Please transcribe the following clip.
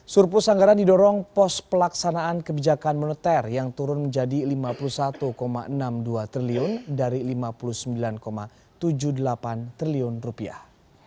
surplus anggaran didorong pos pelaksanaan kebijakan moneter yang turun menjadi lima puluh satu enam puluh dua triliun dari lima puluh sembilan tujuh puluh delapan triliun rupiah